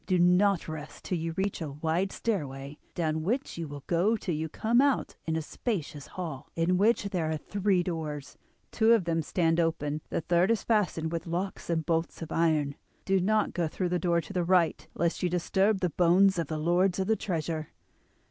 Do not rest till you reach a wide stairway, down which you will go till you come out into a spacious hall, in which there are three doors; two of them stand open, the third is fastened with locks and bolts of iron. Do not go through the door to the right lest you disturb the bones of the lords of the treasure.